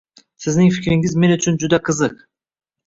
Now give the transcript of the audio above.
Sizning fikringiz men uchun juda qiziq.